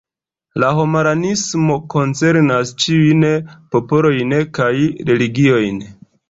La homaranismo koncernas ĉiujn popolojn kaj religiojn.